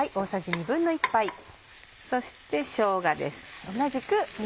そしてしょうがです。